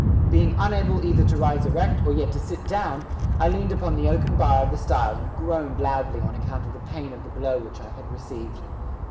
Being unable either to rise erect or yet to sit down, I leaned upon the oaken bar of the stile and groaned loudly on account of the pain of the blow which I had received.